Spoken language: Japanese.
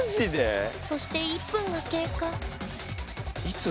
そして１分が経過。